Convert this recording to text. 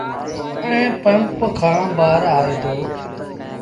ائيٚݩ پمپ کآݩ ٻآهر آئي دو۔